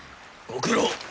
ご苦労！